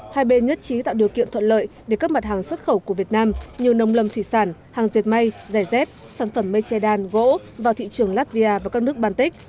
hai bên nhất trí tạo điều kiện thuận lợi để các mặt hàng xuất khẩu của việt nam như nông lâm thủy sản hàng diệt may giải dép sản phẩm mây che đan gỗ vào thị trường latvia và các nước baltic